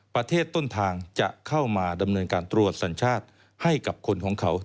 ประเทศต้นทางจะเข้ามาดำเนินการตรวจสัญชาติให้กับคนของเขา